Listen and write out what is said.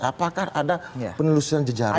apakah ada penelusuran jejarekan